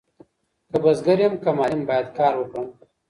که بزګر يم که معلم بايد کار وکړم.